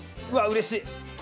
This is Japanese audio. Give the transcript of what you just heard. うわっうれしい。